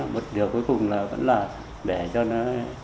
một điều cuối cùng là vẫn là để cho nó